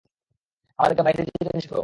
আমাদেরকে বাইরে যেতে নিষেধ করল।